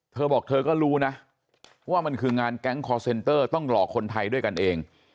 เธอบอกเธอก็รู้นะว่ามันคืองานแก๊งคอร์เซนเตอร์ต้องหลอกคนไทยด้วยกันเอง